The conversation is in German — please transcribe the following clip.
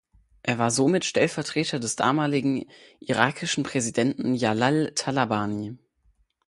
Er war somit Stellvertreter des damaligen irakischen Präsidenten Jalal Talabani.